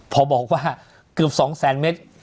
พอบอกว่าเกือบ๒แสนเมตร